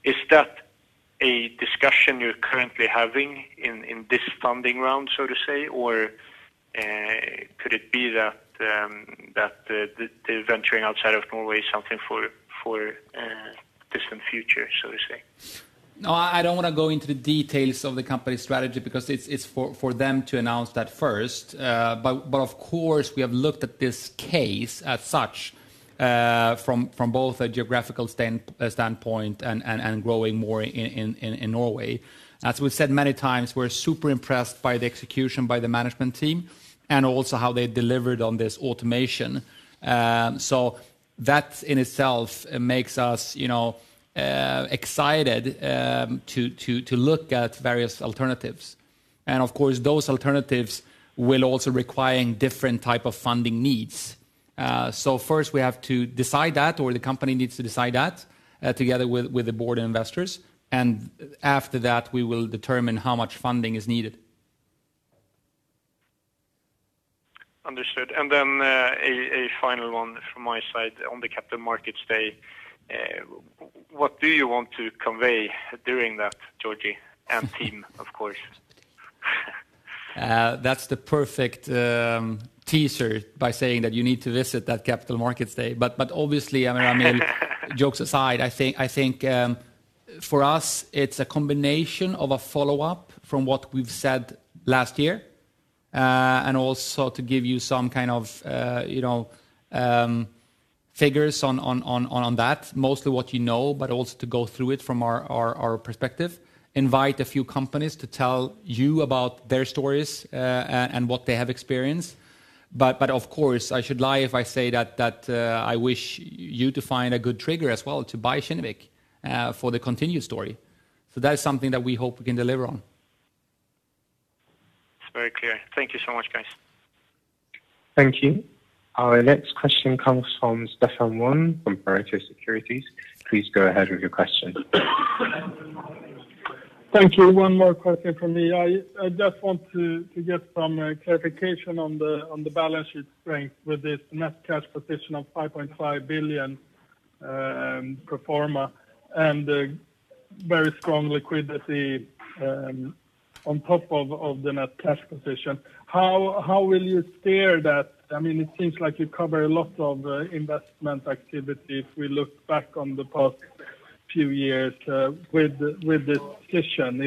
Is that a discussion you're currently having in this funding round, so to say, or could it be that the venturing outside of Norway is something for distant future, so to say? No, I don't want to go into the details of the company strategy because it's for them to announce that first. Of course, we have looked at this case as such from both a geographical standpoint and growing more in Norway. As we've said many times, we're super impressed by the execution by the management team and also how they delivered on this automation. That in itself makes us excited to look at various alternatives. Of course, those alternatives will also require different type of funding needs. First we have to decide that, or the company needs to decide that together with the board investors and after that, we will determine how much funding is needed. Understood. Then a final one from my side on the Capital Markets Day. What do you want to convey during that, Georgi? And team, of course. That's the perfect teaser by saying that you need to visit that Capital Markets Day. Obviously, jokes aside, I think for us it's a combination of a follow-up from what we've said last year, and also to give you some kind of figures on that. Mostly what you know, also to go through it from our perspective, invite a few companies to tell you about their stories and what they have experienced. Of course, I should lie if I say that I wish you to find a good trigger as well to buy Kinnevik for the continued story. That is something that we hope we can deliver on. It's very clear. Thank you so much, guys. Thank you. Our next question comes from Stefan Wård from Pareto Securities. Please go ahead with your question. Thank you. One more question from me. I just want to get some clarification on the balance sheet strength with this net cash position of 5.5 billion pro forma, and the very strong liquidity on top of the net cash position. How will you steer that? It seems like you cover a lot of investment activity if we look back on the past few years with this position.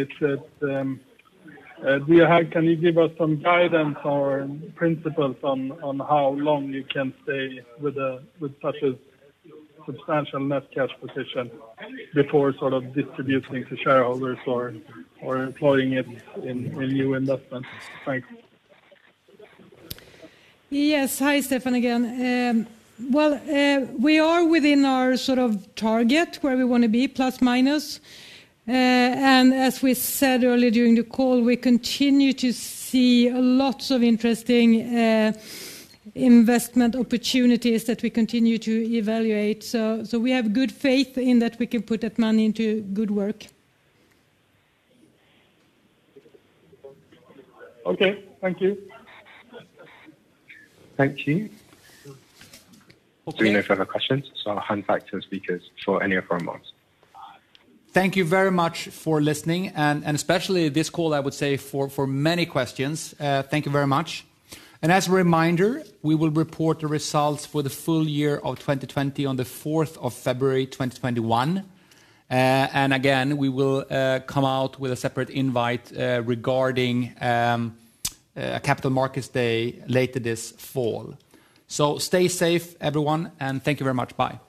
Can you give us some guidance or principles on how long you can stay with such a substantial net cash position before distributing to shareholders or employing it in new investments? Thanks. Yes. Hi, Stefan, again. Well, we are within our target where we want to be, plus minus. As we said earlier during the call, we continue to see lots of interesting investment opportunities that we continue to evaluate. We have good faith in that we can put that money into good work. Okay. Thank you. Thank you. Do we know if there are further questions? I'll hand back to the speakers for any final remarks. Thank you very much for listening, and especially this call, I would say, for many questions. Thank you very much. As a reminder, we will report the results for the full year of 2020 on the February 4th, 2021. Again, we will come out with a separate invite regarding Capital Markets Day later this fall. Stay safe, everyone, and thank you very much. Bye.